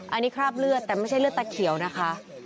อันนี้คราบเลือดแต่ไม่ใช่เลือดตะเขียวนะคะ